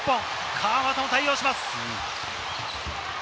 川真田も対応します。